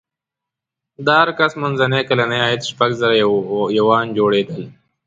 د هر کس منځنی کلنی عاید شپږ زره یوان جوړېدل.